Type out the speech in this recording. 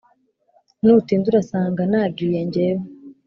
Nutinda urasanga nagiye njyewe